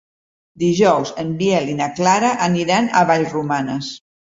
Dijous en Biel i na Clara aniran a Vallromanes.